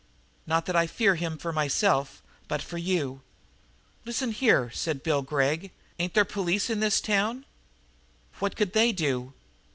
Not that I fear him for myself, but for you." "Listen here," said Bill Gregg, "ain't there police in this town?" "What could they do?